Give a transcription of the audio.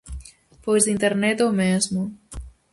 Pois Internet o mesmo.